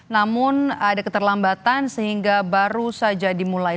namun ada keterlambatan sehingga baru saja dimulai